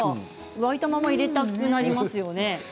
沸いたまま入れたくなりますよね。